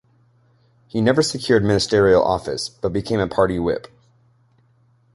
He never secured ministerial office, but became a party whip.